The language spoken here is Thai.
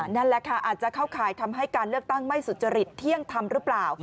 นั่นแหละค่ะอาจจะเข้าข่ายทำให้การเลือกตั้งไม่สุจริตเที่ยงธรรมหรือเปล่า